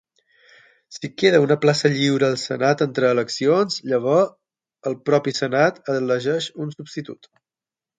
Si queda una plaça lliure al senat entre eleccions, llavors el propi senat elegeix un substitut.